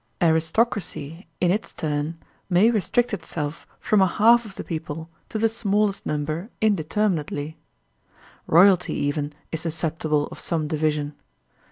Aristocracy, in its turn, may 58 THE SOCIAL CONTRACT restrict itself from a half of the x>eople to the smallest number indeterminately. Royalty even is susceptible of some division.